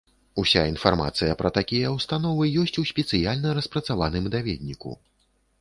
Уся інфармацыя пра такія ўстановы ёсць у спецыяльна распрацаваным даведніку.